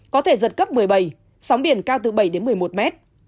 có thể giật cấp một mươi bảy sóng biển cao từ bảy một mươi một m